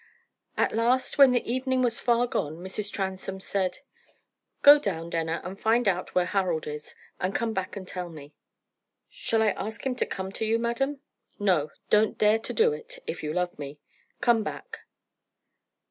At last, when the evening was far gone, Mrs. Transome said: "Go down, Denner, and find out where Harold is, and come back and tell me." "Shall I ask him to come to you, madam?" "No; don't dare to do it, if you love me. Come back."